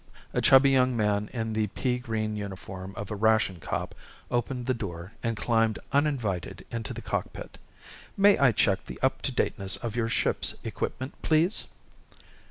A chubby young man in the pea green uniform of a ration cop opened the door and climbed uninvited into the cockpit. "May I check the up to dateness of your ship's equipment, please?"